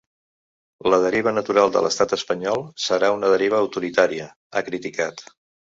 La deriva natural de l’estat espanyol serà una deriva autoritària, ha criticat.